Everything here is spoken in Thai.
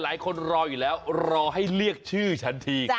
รออยู่แล้วรอให้เรียกชื่อฉันที